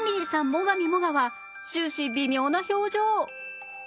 最上もがは終始微妙な表情